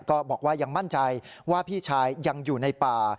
ก็บอกว่ายังมั่นใจว่าพี่ชายยังอยู่ในป่า